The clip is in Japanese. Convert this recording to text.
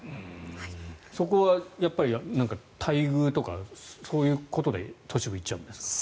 そこは待遇とかそういうことで都市部に行っちゃうんですか？